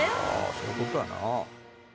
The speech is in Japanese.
そういうことだよな